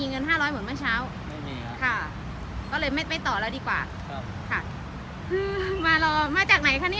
เป็นใครเอาเงินไปจ่ายไหมคะพี่รู้ไหมคะเรารู้จักเขาไหม